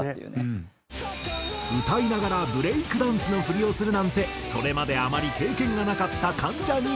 歌いながらブレイクダンスの振りをするなんてそれまであまり経験がなかった関ジャニ∞。